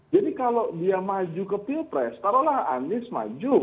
jadi kalau dia maju ke pilpres taruhlah anies maju